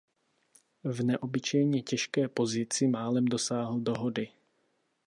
V neobyčejně těžké pozici málem dosáhl dohody.